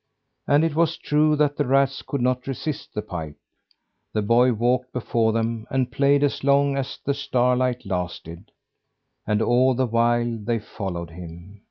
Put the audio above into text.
And it was true that the rats could not resist the pipe. The boy walked before them and played as long as the starlight lasted and all the while they followed him.